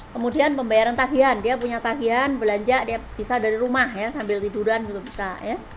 kemudian pembayaran tagihan dia punya tagihan belanja dia bisa dari rumah ya sambil tiduran juga bisa ya